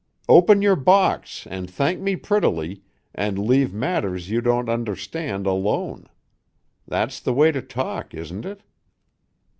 Open your box and thank me prettily, and leave matters you don't understand alone. That's the way to talk, isn't it?"